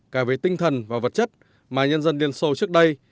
cả về tinh thần và vật chất mà nhân dân liên xô trước đây